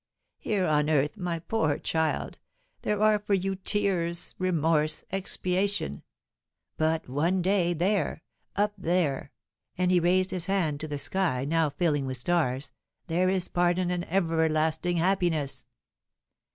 Here, on earth, my poor child, there are for you tears, remorse, expiation; but, one day, there, up there," and he raised his hand to the sky, now filling with stars, "there is pardon and everlasting happiness."